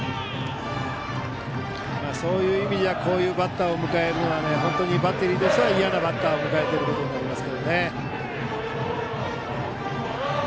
そういう意味じゃこういうバッターを迎えるのは本当にバッテリーとしては嫌なバッターを迎えていることになります。